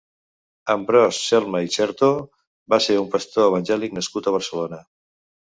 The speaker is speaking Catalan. Ambròs Celma i Chertó va ser un pastor evangèlic nascut a Barcelona.